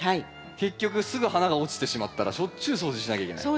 結局すぐ花が落ちてしまったらしょっちゅう掃除しなきゃいけない。